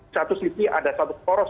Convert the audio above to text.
satu sisi ada satu poros